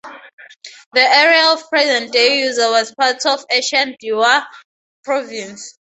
The area of present-day Yuza was part of ancient Dewa Province.